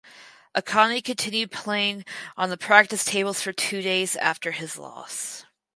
Akani continued playing on the practice tables for two days after his loss.